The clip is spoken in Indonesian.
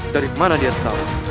dari mana dia tahu